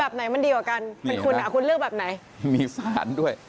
แบบไหนมันดีกว่ากันคุณเลือกแบบไหนมีศาลด้วย